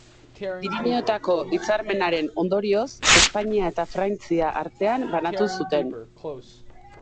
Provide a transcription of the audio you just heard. Pirinioetako Hitzarmenaren ondorioz Espainia eta Frantzia artean banatu zuten.